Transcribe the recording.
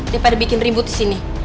daripada bikin ribut di sini